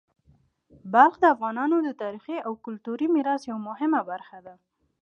بلخ د افغانانو د تاریخي او کلتوري میراث یوه مهمه برخه ده.